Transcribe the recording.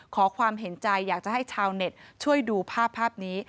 ขอความเห็นใจอยากจะให้ชาวเน็ตช่วยดูภาพภาพนี้